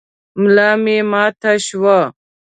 ملا مي ماته شوه .